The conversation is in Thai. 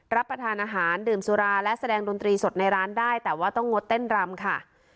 รับประทานอาหารดื่มสุราและแสดงดนตรีสดในร้านได้แต่ว่าต้องงดเต้นรำค่ะ